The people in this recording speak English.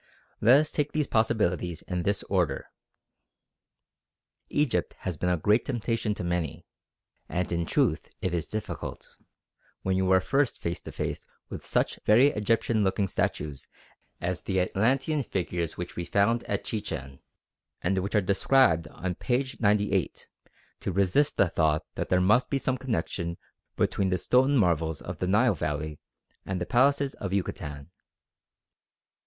Let us take these possibilities in this order. Egypt has been a great temptation to many, and in truth it is difficult, when you are first face to face with such very Egyptian looking statues as the Atlantean figures which we found at Chichen, and which are described on p. 98, to resist the thought that there must be some connection between the stone marvels of the Nile Valley and the palaces of Yucatan.